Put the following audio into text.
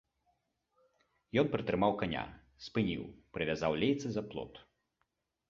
Ён прытрымаў каня, спыніў, прывязаў лейцы за плот.